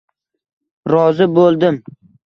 Rozi bo'ldim.